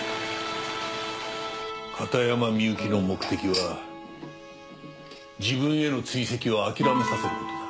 片山みゆきの目的は自分への追跡を諦めさせる事だ。